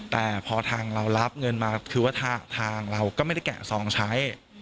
แต่พอทางเรารับเงินมาคือว่าทางเราก็ไม่ได้แกะซองใช้